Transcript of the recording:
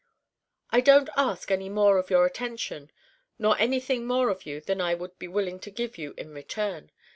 I don't ask any more of your attention nor anything more of you than I would be willing to give you in return.